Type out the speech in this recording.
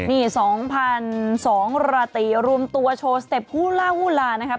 นี่สองพันสองรติรวมตัวโชว์สเต็ปฮูล่าฮูล่านะครับ